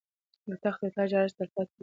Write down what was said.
د تخت او تاج آرایش تلپاتې نه وي.